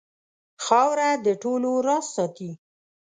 خاوره د ټولو راز ساتي.